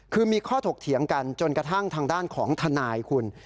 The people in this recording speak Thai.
คือมีข้อถกเถียงกันจนกระทั่งทางด้านของทนายคุณ